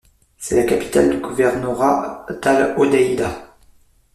C'est la capitale du gouvernorat d'al-Hodeïda.